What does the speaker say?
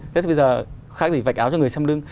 thế thì bây giờ khác gì vạch áo cho người xăm đưng